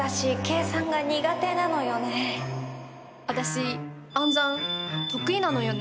私暗算得意なのよね。